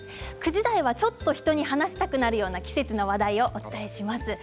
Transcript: ９時台はちょっと人に話したくなるような季節の話題お伝えします。